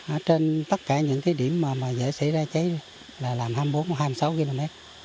ở trên tất cả những cái điểm mà dễ xảy ra cháy là làm hai mươi bốn hai mươi sáu km